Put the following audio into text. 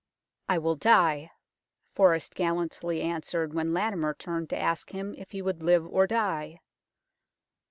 " I will die," Forest gallantly answered when Latimer turned to ask him if he would live or die.